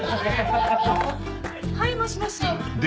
はいもしもし。